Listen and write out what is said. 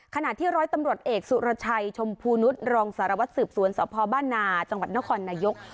ขณะที่ร้อยตำรวจเอกสุรชัยชมพูนุษย์รองสารวัตรสืบสวนสพบ้านนาจังหวัดนครนายก